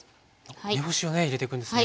梅干しをね入れていくんですね。